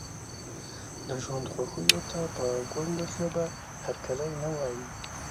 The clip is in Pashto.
د ژوند خوښیو ته په ګونګه ژبه هرکلی نه وایي.